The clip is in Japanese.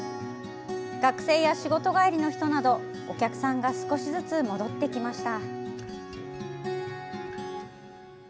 学生や仕事帰りの人などお客さんが少しずつ戻ってきました。